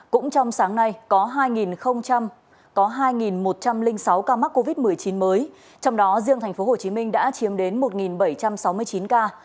cũng trong sáng nay có hai một trăm linh sáu ca mắc covid một mươi chín mới trong đó riêng tp hcm đã chiếm đến một bảy trăm sáu mươi chín ca